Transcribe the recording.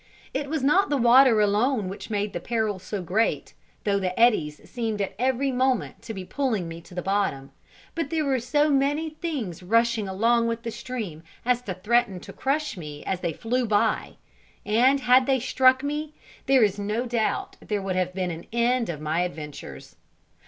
It was not the water alone which made the peril so great, though the eddies seemed at every moment to be pulling me to the bottom, but there were so many things rushing along with the stream as to threaten to crush me as they flew by; and had they struck me, there is no doubt there would have been an end of my adventures.